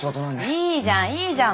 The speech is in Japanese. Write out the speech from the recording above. いいじゃんいいじゃん。